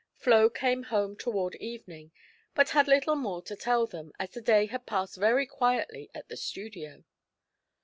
Flo came home toward evening, but had little more to tell them, as the day had passed very quietly at the "studio."